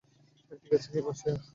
ঠিক আছে, কিমই সেরা।